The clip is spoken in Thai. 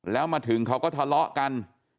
แล้วมาถึงเขาก็ทะเลาะกัน